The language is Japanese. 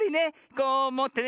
こうもってね